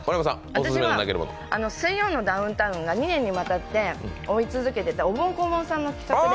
私は「水曜日のダウンタウン」が２年続けて追い続けてたおぼん・こぼんさんの企画で。